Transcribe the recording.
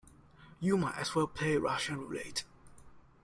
You might as well play Russian roulette.